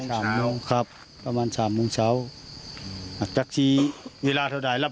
สามโมงครับประมาณสามโมงเช้าอัจจักรชีเวลาเท่าไหร่แล้ว